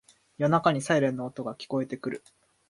夜中にサイレンの音が聞こえてくる